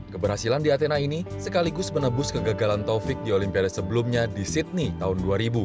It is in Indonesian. keberhasilan di athena ini sekaligus menebus kegagalan taufik di olimpiade sebelumnya di sydney tahun dua ribu